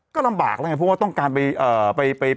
ก็ลำบากแล้วไงเพราะว่าต้องการไป